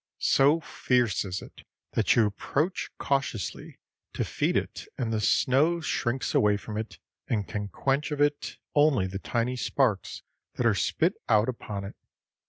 So fierce is it that you approach cautiously to feed it and the snow shrinks away from it and can quench of it only the tiny sparks that are spit out upon it.